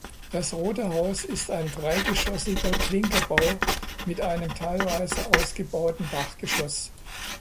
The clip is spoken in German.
Das Rote Haus ist ein dreigeschossiger Klinkerbau mit einem teilweise ausgebauten Dachgeschoss.